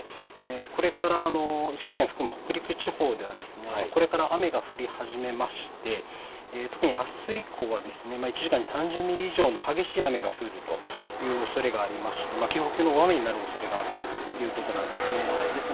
これから石川県を含む北陸地方ではこれから雨が降り始めまして特にあす以降は１時間に３０ミリ以上の激しい雨が降るというおそれがありまして警報級の大雨になるということなんです。